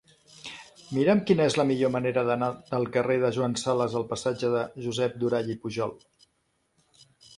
Mira'm quina és la millor manera d'anar del carrer de Joan Sales al passatge de Josep Durall i Pujol.